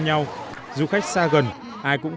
nhau du khách xa gần ai cũng